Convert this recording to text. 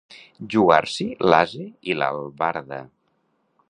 Jugar-s'hi l'ase i l'albarda.